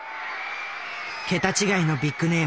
桁違いのビッグネーム。